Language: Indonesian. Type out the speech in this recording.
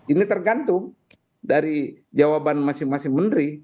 ini tergantung dari jawaban masing masing menteri